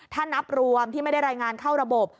ถ้านับรวมที่ไม่ได้รายงานเข้าระบบ